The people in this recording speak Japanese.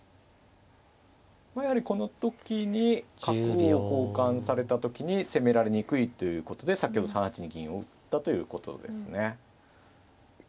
やはりこの時に角を交換された時に攻められにくいということで先ほど３八に銀を打ったということですね。